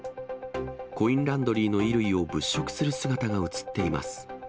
コインランドリーの衣類を物色する姿が写っています。